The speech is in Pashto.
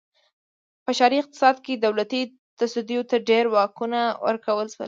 په ښاري اقتصاد کې دولتي تصدیو ته ډېر واکونه ورکړل شول.